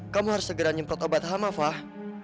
kamu harus segera nyemprot obat hama fah